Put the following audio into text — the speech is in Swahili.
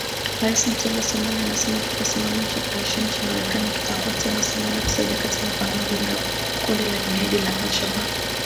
Rais mteule wa Somalia anasema kikosi maalum cha operesheni cha Marekani kitakuwa tena Somalia kusaidia katika mapambano dhidi ya kundi la kigaidi la al-Shabaab.